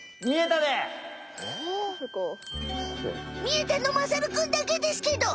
みえたのまさるくんだけですけど？